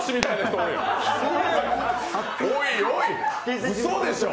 おいおい、うそでしょう。